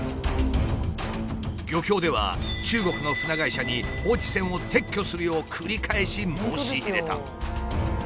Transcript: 漁協では中国の船会社に放置船を撤去するよう繰り返し申し入れた。